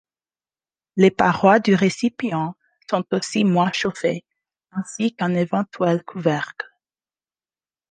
Les parois du récipient sont aussi moins chauffées, ainsi qu'un éventuel couvercle.